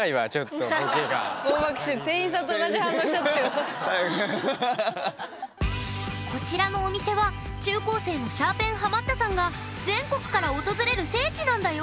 スミマセンこちらのお店は中高生のシャーペンハマったさんが全国から訪れる聖地なんだよ！